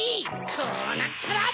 こうなったら！